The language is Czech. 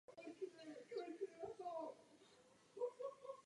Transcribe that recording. Chtěla bych vám poděkovat za vaši iniciativu.